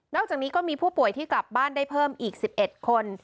จากนี้ก็มีผู้ป่วยที่กลับบ้านได้เพิ่มอีก๑๑คน